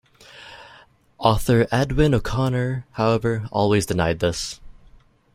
Author Edwin O'Connor, however, always denied this.